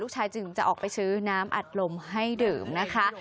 จึงจะออกไปซื้อน้ำอัดลมให้ดื่มนะคะ